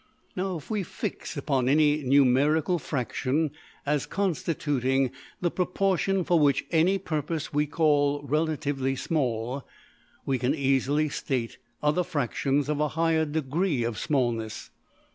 Now if we fix upon any numerical fraction as constituting the proportion which for any purpose we call relatively small, we can easily state other fractions of a higher degree of smallness.